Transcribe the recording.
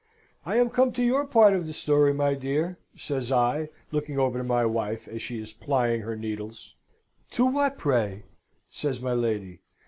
"I am come to your part of the story, my dear," says I, looking over to my wife as she is plying her needles. "To what, pray?" says my lady.